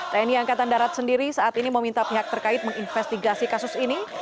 tni angkatan darat sendiri saat ini meminta pihak terkait menginvestigasi kasus ini